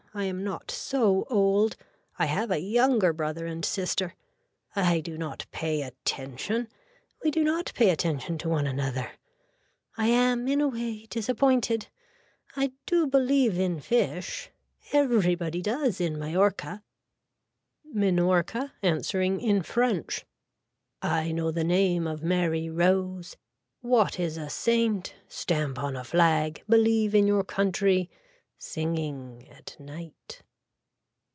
I am not so old. I have a younger brother and sister. I do not pay attention. We do not pay attention to one another. I am in a way disappointed. I do believe in fish. Everybody does in Mallorca. (Minorca answering in french.) I know the name of Mary Rose. What is a saint. Stamp on a flag. Believe in your country. Singing at night.